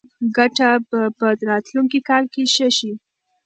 ګټه به په راتلونکي کال کې ښه شي.